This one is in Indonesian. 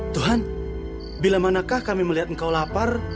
tuhan bila manakah kami melihat engkau lapar